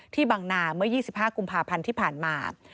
บางนาเมื่อ๒๕กุมภาพันธ์ที่ผ่านมา